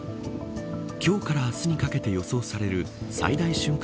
今日から明日にかけて予想される最大瞬間